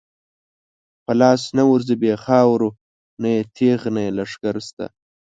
په لاس نه ورځی بی خاورو، نه یی تیغ نه یی لښکر شته